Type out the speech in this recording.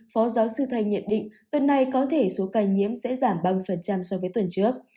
phó giáo sư thanh nhận định tuần này có thể số ca nhiễm sẽ giảm ba mươi so với tuần trước